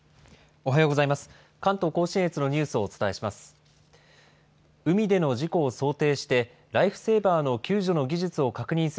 おはようございます。